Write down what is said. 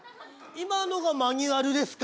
今のがマニュアルですか？